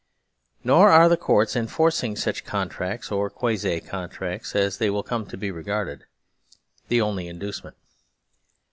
Nor are the Courts enforcing such contracts or quasi contracts (as they will come to be regarded) the only inducement.